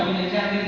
cho cho các khoảng